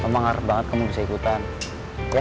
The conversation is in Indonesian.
mama ngaret banget kamu bisa ikutan ya